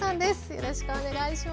よろしくお願いします。